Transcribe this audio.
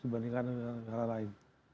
dibandingkan negara lain